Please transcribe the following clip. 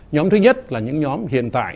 nhóm thứ nhất là những nhóm hiện tại